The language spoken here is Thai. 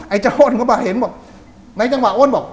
ไอ้เจ้าอ้อนก็มาเห็นในจังหวะอ้อนบอก